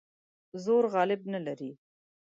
زور غالب نه لري.